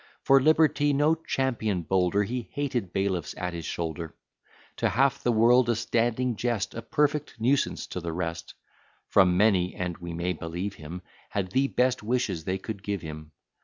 For Liberty no champion bolder, He hated bailiffs at his shoulder. To half the world a standing jest, A perfect nuisance to the rest; From many (and we may believe him) Had the best wishes they could give him.